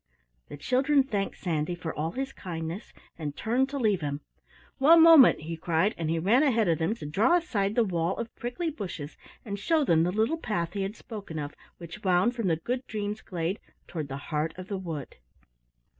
The children thanked Sandy for all his kindness, and turned to leave him. "One moment," he cried, and he ran ahead of them to draw aside the wall of prickly bushes and show them the little path he had spoken of which wound from the Good Dreams' glade toward the heart of the wood.